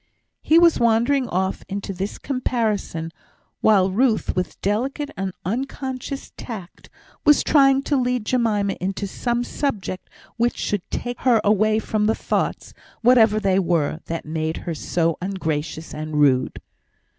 He was wandering off into this comparison, while Ruth, with delicate and unconscious tact, was trying to lead Jemima into some subject which should take her away from the thoughts, whatever they were, that made her so ungracious and rude.